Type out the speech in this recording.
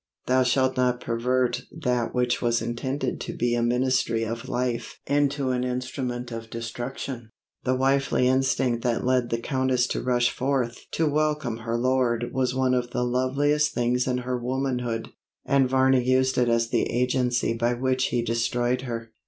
Thou shalt not pervert that which was intended to be a ministry of life into an instrument of destruction. The wifely instinct that led the Countess to rush forth to welcome her lord was one of the loveliest things in her womanhood, and Varney used it as the agency by which he destroyed her.